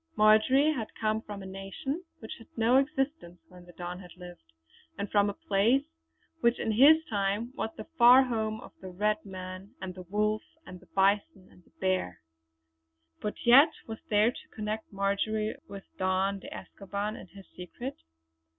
Marjory had come from a nation which had no existence when the Don had lived, and from a place which in his time was the far home of the red man and the wolf and the bison and the bear. But yet what was there to connect Marjory with Don de Escoban and his secret?